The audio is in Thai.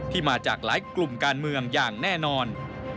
มาจากหลายกลุ่มการเมืองอย่างแน่นอน